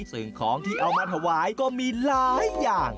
ซึ่งของที่เอามาถวายก็มีหลายอย่าง